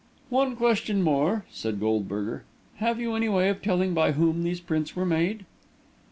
"One question more," said Goldberger. "Have you any way of telling by whom these prints were made?"